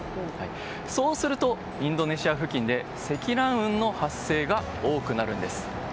そうすると、インドネシア付近で積乱雲の発生が多くなるんです。